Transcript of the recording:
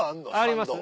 あります